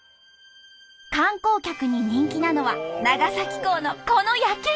観光客に人気なのは長崎港のこの夜景！